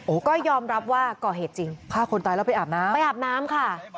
ก็ยอมรับว่าก่อเหตุจริงฆ่าคนตายแล้วไปอาบน้ำไปอาบน้ำค่ะ